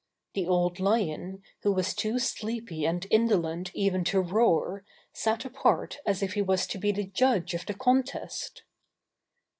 The Old Lion, who was too sleepy and indolent even to roar, sat apart as if he was to be the judge of the contest.